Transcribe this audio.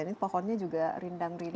ini pohonnya juga rindang rindang